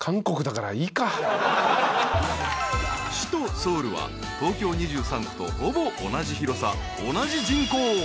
［首都ソウルは東京２３区とほぼ同じ広さ同じ人口］